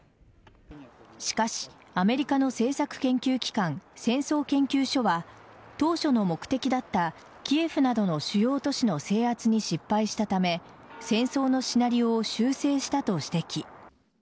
しかし、アメリカの政策研究機関戦争研究所は当初の目的だったキエフなどの主要都市の制圧に失敗したため戦争のシナリオを修正したと指摘。